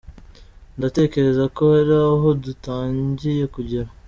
Ndatekereza ko hari aho dutangiye kugera.”